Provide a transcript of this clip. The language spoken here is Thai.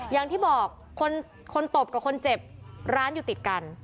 อย่างที่บอกคนตบกับคนเจ็บร้านอยู่ติดกัน